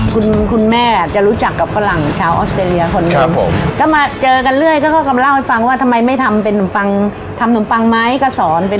คุณคุณแม่จะรู้จักกับฝรั่งชาวออสเตรเลียคนนี้ครับผมก็มาเจอกันเรื่อยก็เขาก็เล่าให้ฟังว่าทำไมไม่ทำเป็นนมปังทำนมปังไหมก็สอนเป็น